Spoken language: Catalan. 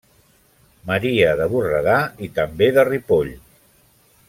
Maria de Borredà i també de Ripoll.